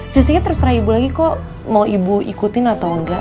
sisinya terserah ibu lagi kok mau ibu ikutin atau enggak